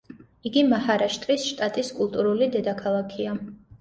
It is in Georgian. იგი მაჰარაშტრის შტატის კულტურული დედაქალაქია.